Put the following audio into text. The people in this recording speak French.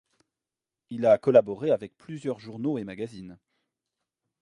Il a collaboré avec plusieurs journaux et magazines.